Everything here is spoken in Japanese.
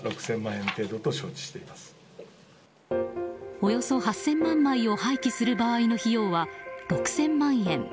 およそ８０００万枚を廃棄する場合の費用は６０００万円。